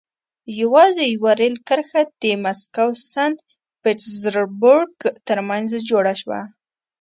یوازې یوه رېل کرښه د مسکو سن پټزربورګ ترمنځ جوړه شوه.